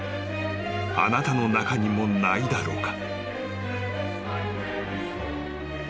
あなたの中にもないだろうか？］